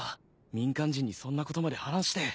民間人にそんなことまで話して。